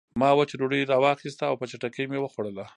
ما وچه ډوډۍ راواخیسته او په چټکۍ مې وخوړه